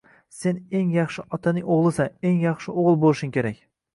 Sen eng yaxshi otaning oʻgʻlisan, eng yaxshi oʻgʻil boʻlishing kerak...